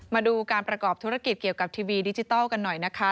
มาดูการประกอบธุรกิจเกี่ยวกับทีวีดิจิทัลกันหน่อยนะคะ